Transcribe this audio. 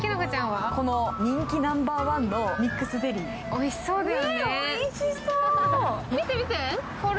おいしそうだよね。